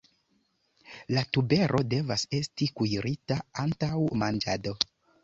La tubero devas esti kuirita antaŭ manĝado.